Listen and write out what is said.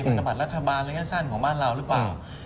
ธนบัตรรัฐบาลระยะสั้นของบ้านเราหรือเปล่า